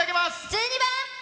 １２番